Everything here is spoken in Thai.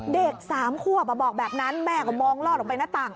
เด็ก๓ควบบอกแบบนั้นแม่ก็มองลอดออกไปหน้าต่าง